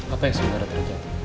apa yang sebenarnya berarti